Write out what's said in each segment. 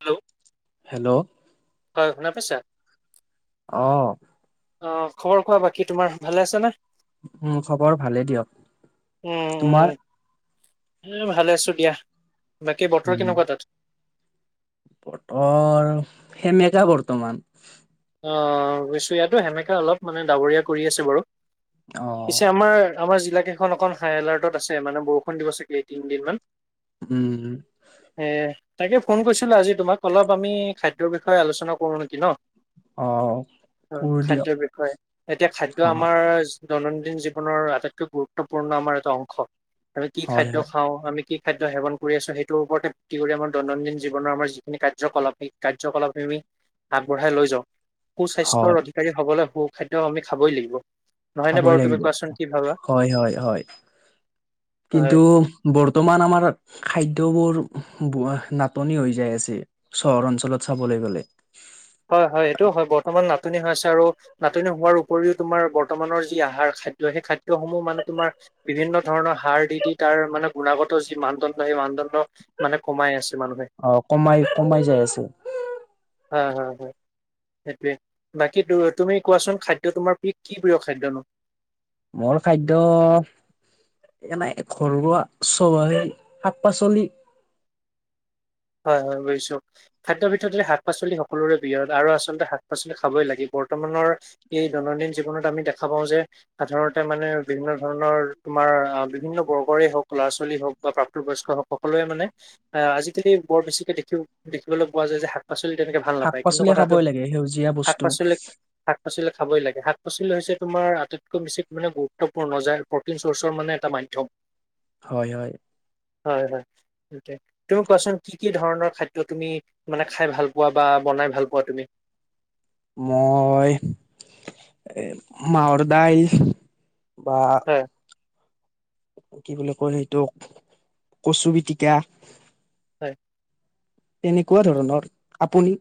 Hello hello শুনা পাইছা অ অ খবৰ খোৱা বাকী তোমাৰ ভালে আছে নে উম খবৰ ভালেই দিয়ক তোমাৰ হ ভালে আছো দিয়া বাকী বতৰ উম কেনেকুৱা তাত বতৰ সেমেকা বৰ্তমান [unintelligible] অ বছো ইয়াতো সেনেকাকাে অলপ মানে ডাৱৰীয়া কৰি আছে বাৰু অ [unintelligible] পিছে আমাৰ আমাৰ জিলা কেইখন অকন হাই এলাৰ্টত আছে মানে বৰষুণ দিব চাগে এই তিনদিন ম [unintelligible] উম তাকে ফোন কৰিছিলো আজি তোমাক অলপ আমি খাদ্যৰ বিষয়ে আলোচনা কৰো নেকি ন অ [unintelligible] হয় কৰো দিয়ক খাদ্যয়ৰ বিষয়ে এতিয়া খাদ্য অ আমাৰ দৈনন্দিন জীৱনৰ আটাইতকৈ গুৰুত্বপূৰ্ণ আমাৰ এটা অংশ আমি কি হয় খাদ্য হয় খাওঁ আমি কি খাদ্য সেৱন কৰি আছো সেইটোৰ ওপৰতে কৰি আমাৰ দৈনন্দিন জীৱনৰ আমাৰ যিখিনি কাৰ্যকলাপ সেই কাৰ্যকলাপ আমি আগবঢ়াই লৈ [unintelligible] য সু স্বাস্থ্যৰ হয় অধিকাৰী হবলৈ সু খাদ্য আমি খাবই লাগিব নহয়নে খাবই বাৰু তুমি লাগিব কোৱাচোন কি ভাবা হয় হয় হয় হয় কিন্তু বৰ্তমান আমাৰ খাদ্যবোৰ বোৱা নাটনি হৈ যাই আছে চহৰ অঞ্চলত চাবলৈ গ'লে হয় হয় এইটো হয় বৰ্তমান নাটনি হৈ আছে আৰু নাটনি হোৱাৰ উপৰিও তোমাৰ বৰ্তমানৰ যি আহাৰ খাদ্য সেই খাদ্যয় সমূহ মানে তোমাৰ বিভিন্ন ধৰণৰ সাৰ দি দি তাৰ মানে গুণাগত যি মানদণ্ড সেই মানদণ্ড মানে কমাই আছে মানুহে অ কমাই কমাই যাই আছে হয় হয় সেইটোৱে বাকী তুমি কোৱাচোন খাদ্য তোমাৰ কি প্ৰিয় খাদ্য নো মোৰ খাদ্য সেইকাৰণে ঘৰুৱা চ শাক পাচলি হয় হয় বুজিছো খাদ্য ভিতৰত শাক পাচলি সকলোৰে প্ৰিয় আৰু আচলতে শাক পাচলি খাবই লাগে বৰ্তমানৰ এই দৈনন্দিন জীৱনত আমি দেখা পাওঁ যে সাধাৰণতে মানে বিভিন্ন ধৰণৰ তোমাৰ আহ বিভিন্ন বৰ্গৰে হওক ল'ৰা ছোৱালী হওক বা প্ৰাপ্ত বয়স্ক হওক সকলোৱে মানে আহ আজিকালি [unintelligible] বৰ বেছিকে দেখি দেখিবলৈ পোৱা যায় যে শাক পাচলি তেনেকে ভাল শাক নাপায় কিন্তু পাচলি কথাটো খাবই লাগে সেউজীয়া শাক বস্তু পাচলি শাক পাচলি খাবই লাগে শাক পাচলি হৈছে তোমাৰ আটাইতকৈ বেছি মানে গুৰুত্বপূৰ্ণ যে প্ৰটিন চ'ৰ্চৰ মানে এটা মাধ্যম [unintelligible] হয় হয় হয় হয় কি কি ধৰণৰ খাদ্য তুমি মানে খাই ভাল পোৱা বা বনাই ভাল পোৱা তুমি মই এ মাৱৰ দাইল বা হয় কি বুলি কয় সেইটো কচু পিটিকা হয় তেনেকুৱা ধৰণৰ আপুনি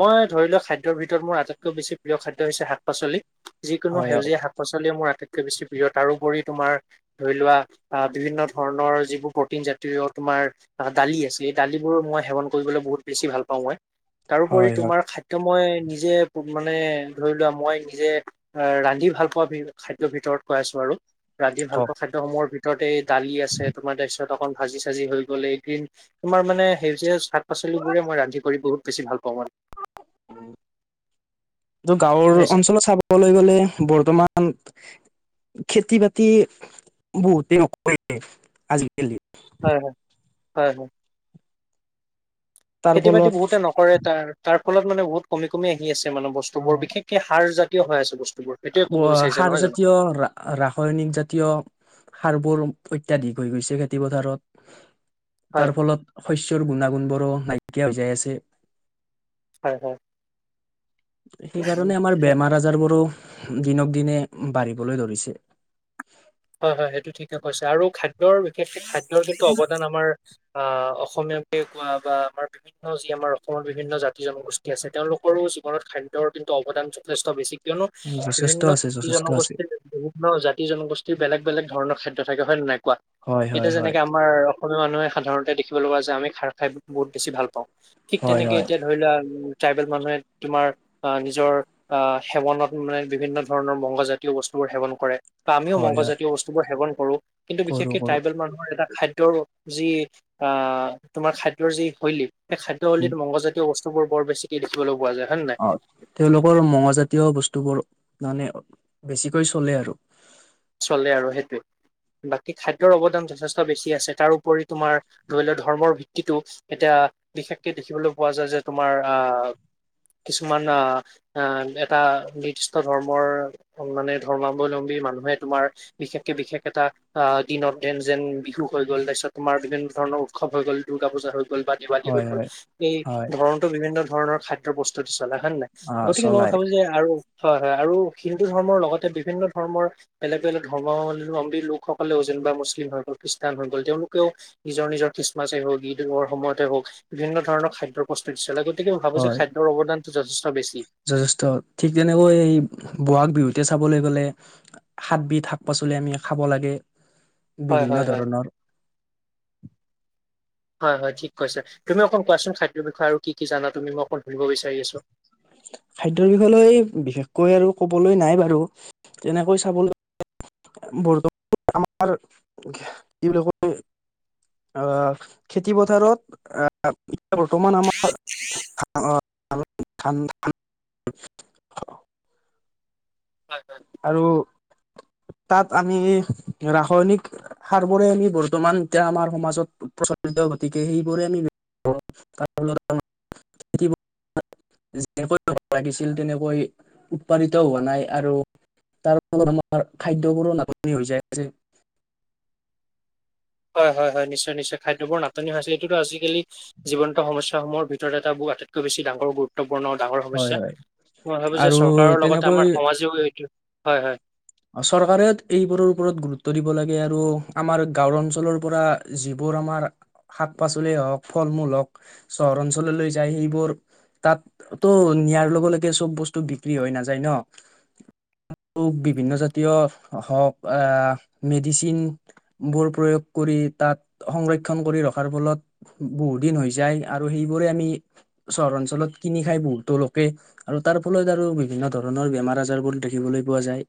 মই ধৰি লোৱা খাদ্যৰ ভিতৰত মোৰ আটাইতকৈ বেছি প্ৰিয় খাদ্য হৈছে শাক পাচলি [unintelligible] যিকোনো হয় হয় সেউজীয়া শাক পাচলি মোৰ আটাইতকৈ বেছি প্ৰিয় তাৰোপৰি তোমাৰ ধৰি লোৱা আহ বিভিন্ন ধৰণৰ যিবোৰ প্ৰটিন জাতীয় তোমাৰ দালি আছে এই দালিবোৰ মই সেৱন কৰিবলৈ বহুত বেছি ভাল পাওঁ মই তাৰোপৰি হয় হয় তোমাৰ খাদ্য মই নিজে মানে ধৰি লোৱা মই নিজে আহ ৰান্ধি ভাল পোৱা খাদ্য ৰ ভিতৰত কৈ আছো আৰু ৰান্ধি কওক ভালপোৱা খাদ্যসমূহৰ ভিতৰত ততেই [unintelligible] দালি আছে তোমাৰ তাছত [unintelligible] ন ভাজি চাজি হৈ গ'ল এই গ্ৰীণ তোমাৰ মানে সেউজীয়া শাক পাচলি বোৰে মই ৰান্ধি কৰি বহুত বেছি ভাল অ [unintelligible] উম কিন্তু গাঁৱৰ শুনিছা অঞ্চলত চাবলৈ গ'লে বৰ্তমান খেতি বাতি বহুতে নকৰে আজি হয় হয় হয় হয় তাৰ খেতি বাতি ফলত বহুতে নকৰে তাৰ তাৰ ফলত মানে বহুত কম কমি আহি আছে মানে বস্তু বোৰ বিশেষকে সাৰ জাতিঅ কিয় হৈ আছে বস্তু সাৰ জাতীয় ৰাসায়নিক জাতীয় সাৰ বোৰ ইত্যাদি হৈ গৈছে খেতি পথাৰত হয় তাৰ ফলত শস্যৰ গুণাগুণবোৰ নাইকিয়া হৈ যাই আছে হয় হয় সেইকাৰণে আমাৰ বেমাৰ আজাৰ বোৰো দিনক দিনে বাঢ়িবলৈ ধৰিছে হয় হয় সেইটো ঠিকে কৈছে আৰু খাদ্যৰ বিশেষকে খাদ্যৰ কিন্তু অৱদান আমাৰ আহ অসমীয়াকে কোৱা বা আমাৰ বিভিন্ন যি আমাৰ অসমৰ বিভিন্ন জাতি জনগোষ্ঠী আছে তেওঁলোকৰো জীৱনত খাদ্যৰ কিন্তু অৱদান যথেষ্ট বেছি কিয়নো যথেষ্ট বিভিন্ন আছে জাতি যথেষ্ট আছে জনগোষ্ঠীৰ বিভিন্ন জাতি জনগোষ্ঠী বেলেগ বেলেগ ধৰণৰ খাদ্য থাকে হয় নে নাই কোৱা হয় হয় এতিয়া হয় যেনেকে আমাৰ অসমীয়া মানুহে সাধাৰণতে দেখিব লগ পোৱা যে আমি [unintelligible] খাৰ খাই বহুত বেছি ভাল পাওঁ ঠিক হয় তেনেকে হয় এতিয়া ধৰি লোৱা আৰু ট্ৰাইবেল মানুহে তোমাৰ নিজৰ সেৱনত মানে বিভিন্ন ধৰণৰ মংগজাতীয় বস্তুবোৰ সেৱন কৰে [unintelligible] ত আমিও মং হয় [unintelligible] হয় জাতীয় বস্তুবোৰেন কৰু [unintelligible] কিন্তু কৰো বিশেষকে কৰো ট্ৰাইবেল মানুহৰ এটা [unintelligible] খাদ্যৰ যি আ তোমাৰ খাদ্য ৰ যি শৈলী এই উম খাদ্যশলীত মংগজাতীয় অৱস্থ [unintelligible] ব্তুব বৰ বেছি কি দেখিবলৈ পোৱা যায় [unintelligible] অ তেওঁলোকৰ মঙজাতীয় বস্তুবোৰ মানে বেছিকৈ চলে আৰু চলে আৰু সেইটোৱে বাকী খাদ্যৰ অৱদান যথেষ্ট বেছি আছে তাৰপৰি তোমাৰ ধৰি লোৱা ধৰ্মৰ ভিত্তিটো এতিয়া বিশেষকে দেখিবলৈ পোৱা যায় যে তোমাৰ আহ কিছুমান আহ আহ এটা নিৰ্দিষ্ট ধৰ্মৰ মানে ধৰ্মাৱলম্বী মানুহে তোমাৰ বিশেষকে বিশেষ এটা অ দিনত যেন যেন বিহু হৈ গ'ল তাৰপিছত তোমাৰ বিভিন্ন ধৰণৰ উৎসৱ হৈ গ'ল দুৰ্গা পূজা হৈ গ'ল গল বা দেৱালী হৈ হয় গ'ল হয় এই হয় ধৰণটো বিভিন্ন [unintelligible] ধৰণৰ খাদ্য প্ৰস্তুত দি চলা হয় নে নাই অ গতিকে মই চলাই ভাবো যে আৰু হয় হয় আৰু হিন্দু ধৰ্মৰ লগতে বিভিন্ন ধৰ্মৰ বেলেগ বেলেগ ধৰ্মাৱলম্বী লোকসকলেও যেনিবা মুছলিম হৈ গল খ্ৰীষ্টান হৈ গ'ল তেওঁলোকেও নিজৰ নিজৰ খ্ৰীষ্টমাছেই হওক ঈদৰ সময়তে হওক বিভিন্ন ধৰণৰ খাদ্য প্ৰস্তুত দিছিল [unintelligible] হয় যথেষ্ট ঠিক তেনেকৈ এই বহাগ বিহু তেতিয়া চাবলৈ গ'লে হাতবিধ শাক পাচলি আমি খাব লাগে হয় বিভিন্ন হয় হয়। ধৰণৰ [inaudible] হয় হয় ঠিক কৈছে তুমি অকণ কোৱাচোন খাদ্যৰ বিষয়ে আৰু কি কি জানা তুমি মই অকণ ধুৰিব বিচাৰি আছো। খাদ্যৰ বিষয় লৈ বিশেষকৈ আৰু কবলৈ নাই বাৰু তেনেকৈ চাবলৈ বৰ্তমান আমাৰ কি বুলি কয় আহ খেতি পথাৰত আহ এ বৰ্তমান আমাৰ ধ হয় হয় আৰু তাত আমি ৰাসায়নিক সাৰ বোৰে আমি বৰ্তমান এতিয়া আমাৰ সমাজত প্ৰচলিত গতিকে সেইবোৰে আমিত যেনে লাগিছিল তেনেকৈ উৎপাদিত হোৱা নাই আৰু তাৰ ফলত আমাৰ খাদ্যবোৰো নাটনি হৈ যায় যে হয় হয় হয় নিশ্চয় নিশ্চয় খাদ্যবোৰ নাটনি হৈছে এইটোতো আজিকালি। জীৱন্ত সমস্যা সমূৰ ভিতৰত এটা বু আটাইতকৈ বছ ডাঙৰ গুৰুত্ব পূৰ্ণ ডাঙৰ হয় সমস্যা হয়। মই ভাবোঁ যে আৰু চৰকাৰৰ লগতে তেনেকৈ আমাৰ সমাজেও এইটো হয় হয়। চৰকাৰে এইবোৰৰ ওপৰত গুৰুত্ব দিব লাগে আৰু আমাৰ গাঁওৰ অঞ্চলৰ পৰা যিবোৰ আমাৰ শাক পাচলিয় হওক ফল মূল হওক চহৰ অঞ্চললৈ যায় সেইবোৰ তাততো নিয়াৰ লগে লগে চব বস্তু বিক্ৰী হৈ নাযায় ন আৰু বিক বিভিন্ন জাতীয় হওক আ মেডিচিন বোৰ প্ৰয়োগ কৰি তাত সংৰক্ষণ কৰি ৰখাৰ ফলত বহু দিন হৈ যায় আৰু সেইবোৰে আমি চহৰ অঞ্চলত কিনি খাই বহুতো লোকে আৰু তাৰ ফলত আৰু বিভিন্ন ধৰণৰ বেমাৰ আজাৰবোৰ দেখিবলৈ পোৱা যায়।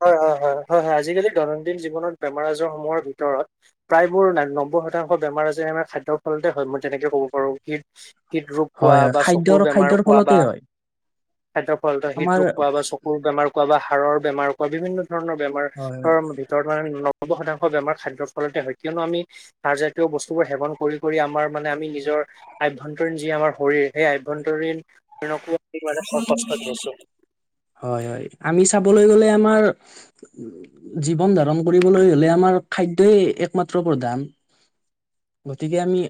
হয় হয় হয় হয় হয় আজিকালি দৈনন্দিন জীৱনত বেমাৰ আজাৰ সমূহৰ ভিতৰত প্ৰায় মোৰ নব্বৈ শতাংশ বেমাৰ আজাৰে আমাৰ খাদ্যৰ ফলতে হয় মই তেনেকে ক'ব পাৰোঁ কি হৃদৰোগ কোৱা হয় হয় বা চকুৰ খাদ্যৰ বেমাৰ খাদ্যৰ কোৱা ফলতে বা হয় খাদ্যৰ ফলত আমাৰ হৃদৰোগ পোৱা বা চকুৰ বেমাৰ কোৱা বা হা়ড়ৰ বেমাৰ অ বিভিন্ন ধৰণৰ বেমাৰ হয় হয় ভিতৰত মানে, সৰ্ব শতাংশ বেমাৰ খাদ্যৰ ফলতে হয় কিয়নো আমি হাৰজাতীয় বস্তুবোৰ সেৱন কৰি কৰি আমাৰ মানে আমি নিজৰ অভ্যন্তৰীণ যি আমাৰ শৰীৰ সেই আভ্যন্তৰীণ শৰণকো [unintelligible] হয় হয় আমি চাবলৈ গলে আমাৰ জীৱন ধাৰণ কৰিবলৈ হলে আমাৰ খাদ্যয়ই একমাত্ৰ প্ৰধান গতিকে আমি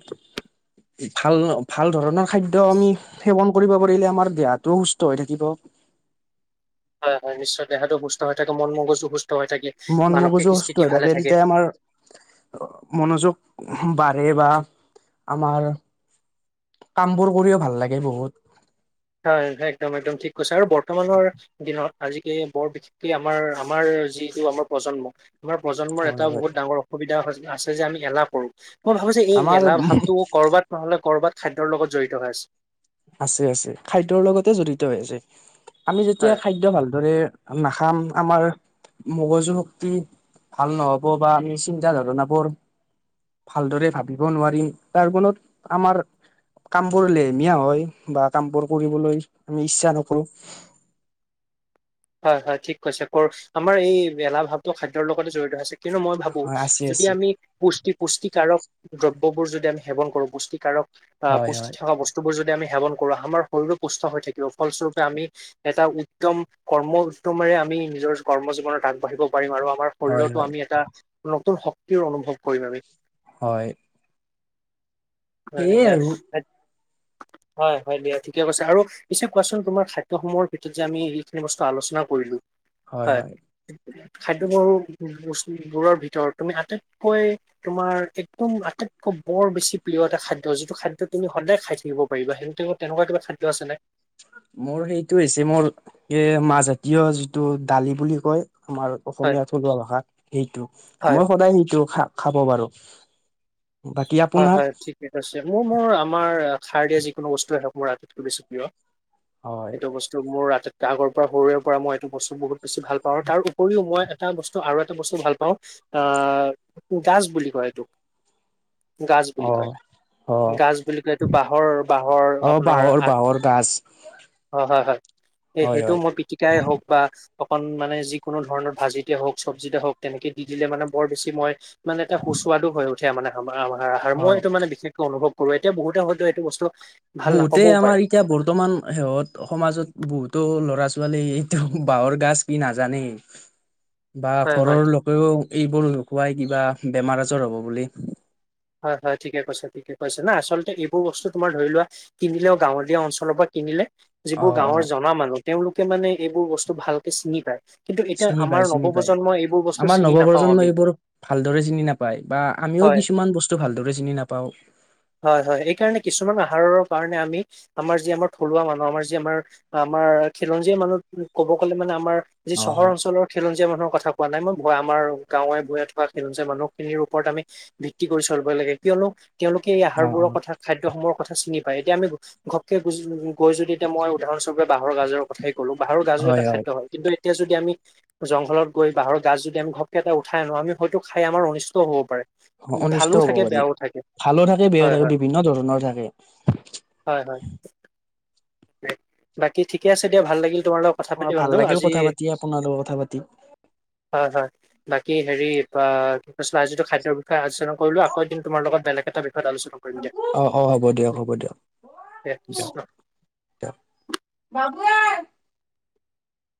ভাল ভাল ধৰণৰ খাদ্য আমি সেৱন কৰিব পাৰিলে আমাৰ দেহাটো সুস্থ হৈ থাকিব। হয় হয় নিশ্চয় দেহাটো সুস্থ হৈ থাকে মন মগজো সুস্থ হৈ থাকে মন মানসিক মগজু সুস্থ স্থিতি হৈ ভালে থাকে তেতিয়া আমাৰ মনোযোগ বাঢ়ে বা আমাৰ কামবোৰ কৰিও ভাল লাগে বহুত। হয় একদম একদম ঠিক কৈছে আৰু বৰ্তমানৰ দিনত আজিকালি বৰ বিশেষকৈ আমাৰ আমাৰ যিটো আমাৰ প্ৰজন্ম আমাৰ প্ৰজন্ম হয় এটা হয় বহুত ডাঙৰ অসুবিধা হয়। আছে যে আমি এলাহ কৰো। মই ভাবো যে এই আমাৰ এলাহ ভাৱটো কৰবাত নহ'লে কৰবাত খাদ্যৰ লগত জড়িত হৈ আছে। আছে আছে খাদ্যয়ৰ লগতে জড়িত হৈ আছে। আমি যেতিয়া হয় খাদ্য ভালদৰে নাখাম আমাৰ মগজু শক্তি ভাল নহব বা আমি চিন্তা ধাৰণাবোৰ ভালদৰে ভাবিব নোৱাৰিম তাৰ ফলত আমাৰ কামবোৰ লেহমীয়া হয়। বা কামবোৰ কৰিবলৈ আমি ইচ্ছা নকৰো। হয় হয় ঠিক কৈছে ক্ৰচ আমাৰ এই মেলা ভাৱটো খাদ্যৰ লগতে জড়িত আছে। কিয়নো মই ভাবো হয় আছে যদি আছে আমি পুষ্টি পুষ্টিকাৰক দব্য ক'বোৰ যদি আমি সেৱন কৰোঁ পুষ্টীকাৰক পা হয় পুষ্টি হয় থকা বস্তুবোৰ যদি আমি সেৱন কৰো আমাৰ শৰীৰো সুস্থ হৈ থাকিব ফলস্বৰূপে আমি এটা উদ্যম কৰ্ম উদ্যমেৰে আমি নিজৰ কৰ্ম জীৱনত আগবাঢ়িব পাৰিম আৰু আমাৰ হয় শৰীৰতো হয় আমি এটা নতুন শক- ক্তিৰ অনুভৱ কৰিম আমি। হয় হয় সেয়ে আৰু [unintelligible] হয় হয় দিয়া ঠিকে কৈছে আৰু পিছে কোৱাচোন তোমাৰ খাদ্য সমূহৰ ভিতৰত যে আমি যিখিনি বস্তু আলোচনা কৰিলো হয় খাদ্য বৰু [unintelligible] বস্তু বোৰৰ ভিতৰত তুমি আটাইতকৈ তোমাৰ একদম আটাইতকৈ বৰ বেছি প্ৰিয় এটা খাদ্য যিটো খাদ্য তুমি সদায় খাই থাকিব পাৰিবা সেই তেনেকুৱা কিবা খাদ্য আছেনে মোৰ সেইটো হৈছে মোৰ এ মাহ জাতীয় যিটো দালি বুলি কয় [unintelligible] আমাৰ হয়। অসমীয়া থলুৱা ভাষাত সেইটো হয়, মই সদায় সেইটো খাম খাব বাৰু হয় হয় ঠিকে কৈছে মোৰ মোৰ আমাৰ [unintelligible] সাৰ দিয়া যিকোনো বস্তু এটা মোৰ আটাইতকৈ বেছি প্ৰিয় হয় সেইটো বস্তু মোৰ ৰাতি আগৰ পৰা সৰুৰে পৰা মই এইটো বস্তু বহুত বেছি ভাল পাওঁ আৰু তাৰ উপৰিও মই এটা বস্তু আৰু এটা বস্তু ভাল পাওঁ আ গাজ বুলি কয় এইটোক [unintelligible] গাজ অ বুলি কয় অ গাজ বুলি কয় এইটো বাঁহৰ বাঁহৰ অ আপোনাৰ বাঁহৰ আগ বাঁহৰ গাজ হয় হয় হয় এই হয় সেইটো হয় মই পিটিকাই হওক বা অকন মানে যিকোনো ধৰণৰ ভাজিতে হওক চব্জিতে হওক তেনেকে দি দিলে মানে বৰ বেছি মই মানে এটা সুস্বাদো হৈ উঠে মানে খাবা আমাৰ [unintelligible] আৰ আহাৰ অ মই এইটো মানে বেছিকে খাওঁ [unintelligible] কৰো এতিয়া বহুতে হয়তো এইটো বস্তু ভাল বহুতেই নাপাবও পাৰে আমাৰ এতিয়া বৰ্তমান শেহত সমাজত বহুতো ল'ৰা ছোৱালী এইটো বাঁহৰ গাজ কি নাজানেই বা হয় হয় ঘৰৰ ঠিক লোকেও এইবোৰ নুখুৱাই কিবা বেমাৰ আজাৰ হ'ব বুলি হয় হয় ঠিকে কৈছে ঠিকে কৈছে না আচলতে এইবোৰ বস্তু তোমাৰ ধৰি লোৱা কিনিলেও গাঁৱলীয়া অঞ্চলৰ পৰা কিনিলে অ যিবোৰ অ গাঁৱৰ জনা মানুহ তেওঁলোকে মানে এইবোৰ বস্তু ভালকে চিনি পায় কিন্তু এতিয়া চিনি আমাৰ পাই চিনি পায় নৱপ্ৰজন্মই এইবোৰ বস্তু আমাৰ চিনি নাপাও নৱপ্ৰজন্ম আমি এইবোৰ ভালদৰে চিনি নাপায় বা আমিও হয় কিছু হয় এই কাৰণে কিছুমান আহাৰৰ কাৰণে আমি আমাৰ যি আমাৰ থলুৱা মানুহ আমাৰ যি আমাৰ আমাৰ খিলঞ্জীয়া মানুহ ক'ব গ'লে মানে আমাৰ যি অ চহৰ অঞ্চলৰ খিলঞ্জীয়া মানুহৰ কথা কোৱা নাই মই আমাৰ [unintelligible] গাঁৱে ভূঞে থকা খিলঞ্জীয়া মানুহখিনিৰ ওপৰত আমি ভিত্তি কৰি চলিব লাগে কিয়নো তেওঁলোকে এই অ অ আহাৰবোৰৰ কথা খাদ্যসমূহৰ কথা চিনি পায়। এতিয়া আমি ঘপকে গৈ যদি, এতিয়া মই উদাহৰণস্বৰূপে বাঁহৰ গাজৰ কথাই কলো। বাহৰ গাজু এটা খাদ্য হয়। কিন্তু, তেতিয়া যদি আমি জংঘলত গৈ বাহৰ গাজ যদি আমি ঘপকে এটা উঠাই আনো, আমি হয়তো খাই আমাৰ অনিষ্টও হ'ব পাৰে। ভালো অনিষ্ট হব থাকে পাৰি। বেয়াও থাকে ভালো থাকে, বেয়া হয় থাকে হয় বিভিন্ন ধৰণৰ থাকে। বাকি ঠিকে আছে দিয়া, ভাল লাগিল। তোমাৰ লগত কথা অ পাতি ভাল বন্ধু। লাগিল আজি কথা পাতি আপোনাৰ লগত কথা পাতি হয়, হয় বাকী হেৰি বা আ যিটো খাদ্যৰ [unintelligible] আলোচনা কৰিলোঁ। আকৌ এদিন তোমাৰ লগত বেলেগ এটা বিষয়ত আলোচনা কৰিম অ অ হ'ব দিয়ক হ'ব দিয়া। বাবু [unintelligible]